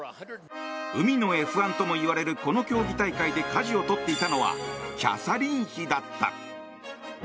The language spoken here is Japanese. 海のＦ１ともいわれるこの競技大会でかじを取っていたのはキャサリン妃だった。